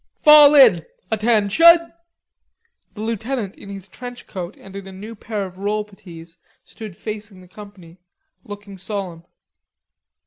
"Fall in! Atten shun!" The lieutenant in his trench coat and in a new pair of roll puttees stood facing the company, looking solemn.